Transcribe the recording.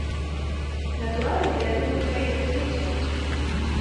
Натуральна, я думаю пра іх развіццё.